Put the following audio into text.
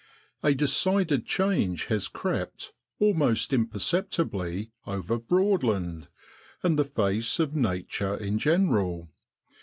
missing DECIDED change has crept, almost imperceptibly, over Broadland, and the face of nature in general.